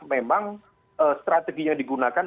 memang strategi yang digunakan